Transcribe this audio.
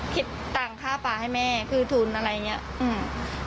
ต่างค่าป่าให้แม่คือทุนอะไรอย่างเงี้ยอืม